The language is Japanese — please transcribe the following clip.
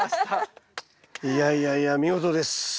いやいやいや見事です。